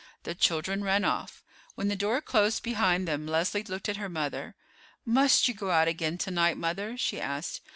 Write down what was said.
The children ran off. When the door closed behind them Leslie looked at her mother. "Must you go out again to night, mother?" she asked.